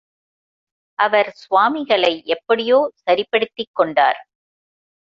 அவர் சுவாமிகளை எப்படியோ சரிப்படுத்திக் கொண்டார்.